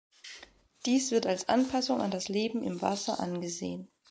Dies wird als Anpassung an das Leben im Wasser angesehen.